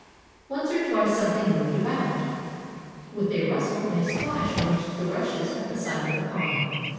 Once or twice something moved about with a rustle and a splash amongst the rushes at the side of the pond.